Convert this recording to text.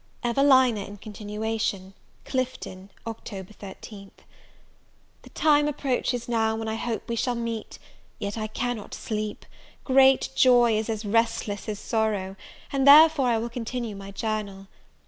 EVELINA IN CONTINUATION. Clifton, Oct. 13th. THE time approaches now when I hope we shall meet; yet I cannot sleep; great joy is a restless as sorrow, and therefore I will continue my journal.